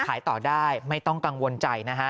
ขายต่อได้ไม่ต้องกังวลใจนะฮะ